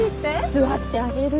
座ってあげる。